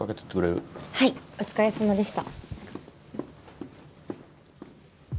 はいお疲れさまでした。